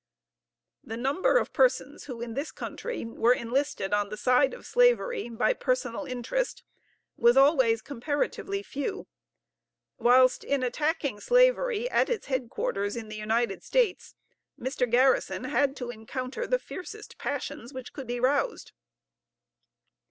The number of persons who in this country were enlisted on the side of slavery by personal interest was always comparatively few; whilst, in attacking slavery at its head quarters in the United States, Mr. Garrison had to encounter the fiercest passions which could be roused.